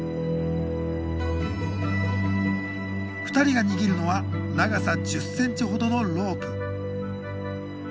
２人が握るのは長さ１０ｃｍほどのロープ。